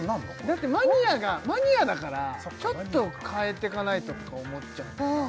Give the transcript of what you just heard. だってマニアがマニアだからちょっと変えてかないとって思っちゃうんですね